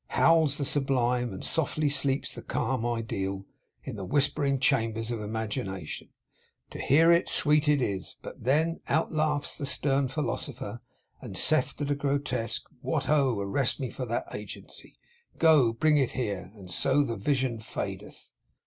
Howls the sublime, and softly sleeps the calm Ideal, in the whispering chambers of Imagination. To hear it, sweet it is. But then, outlaughs the stern philosopher, and saith to the Grotesque, "What ho! arrest for me that Agency. Go, bring it here!" And so the vision fadeth.